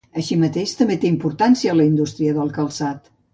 Així mateix, també té importància la indústria del calçat.